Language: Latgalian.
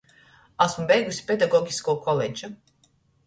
Asmu beiguse pedagogiskū koledžu.